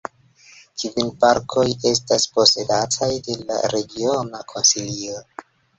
Kvin parkoj estas posedataj de la regiona konsilio.